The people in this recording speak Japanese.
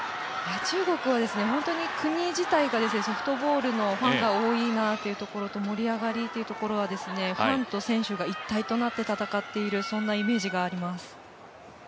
中国は、本当に国自体がソフトボールのファンが多いなというところと盛り上がりっていうところはファンと選手が一体となって戦っているイメージがあります。